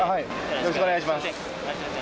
よろしくお願いします。